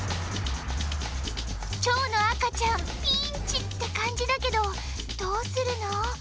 「ちょうのあかちゃんピンチ！」ってかんじだけどどうするの？